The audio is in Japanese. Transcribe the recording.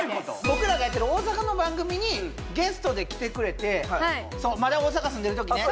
僕らがやってる大阪の番組にゲストで来てくれてまだ大阪住んでるときね